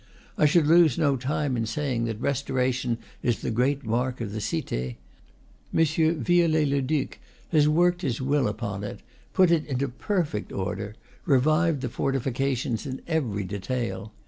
I should lose no time in saying that restoration is the great mark of the Cite. M. Viollet le Duc has worked his will upon it, put it into perfect order, revived the fortifications in every detail.